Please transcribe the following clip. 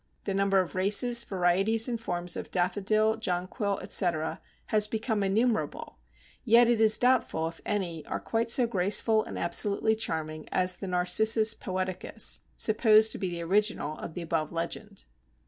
The number of races, varieties, and forms of Daffodil, Jonquil, etc., has become innumerable; yet it is doubtful if any are quite so graceful and absolutely charming as the Narcissus poeticus, supposed to be the original of the above legend.